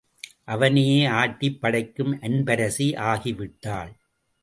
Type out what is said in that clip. அவனையே ஆட்டிப் படைக்கும் அன்பரசி ஆகிவிட்டாள்.